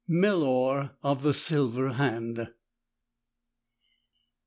MELOR OF THE SILVER HAND.